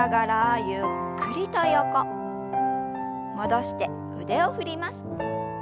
戻して腕を振ります。